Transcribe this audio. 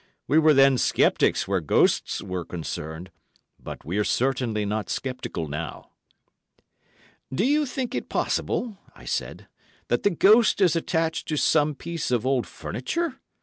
We were then sceptics where ghosts were concerned, but we're certainly not sceptical now." "Do you think it possible," I said, "that the ghost is attached to some piece of old furniture?